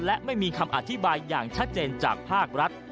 และไม่มีคำอธิบายอย่างชัดเจนจากภาครัฐ